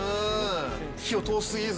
火を通しすぎず。